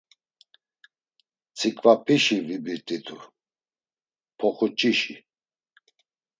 Tziǩvap̌işi vibirt̆itu, poxuç̌işi…